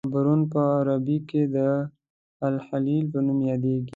حبرون په عربي کې د الخلیل په نوم یادیږي.